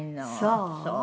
そう？